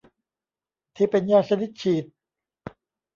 ที่เป็นยาชนิดฉีด